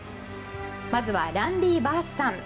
まずはランディ・バースさん。